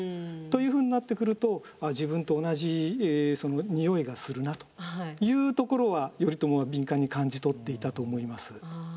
というふうになってくると自分と同じにおいがするなというところは頼朝は敏感に感じ取っていたと思います。